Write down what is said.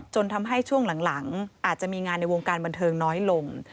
จนทำให้ช่วงหลังอาจจะมีงานในวงการบันเทิงน้อยลง